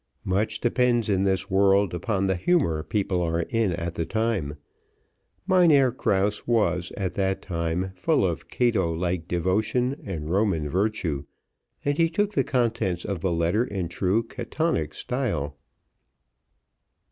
Much depends in this world upon the humour people are in at the time; Mynheer Krause was, at that time, full of Cato like devotion and Roman virtue, and he took the contents of the letter in true Catonic style.